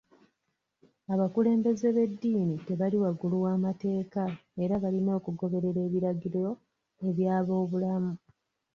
Abakulembeze b'eddiini tebali waggulu w'amateeka era balina okugoberera ebiragiro eby'abobulamu